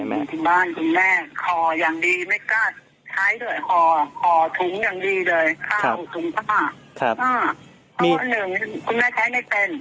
อื้มห์าอยากจะดูที่ในภาพนั้นมีอะไร